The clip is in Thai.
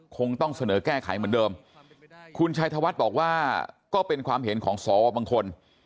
คงต้องเสนอแก้ไขเหมือนเดิมคุณชัยธวัฒน์บอกว่าก็เป็นความเห็นของสวบางคน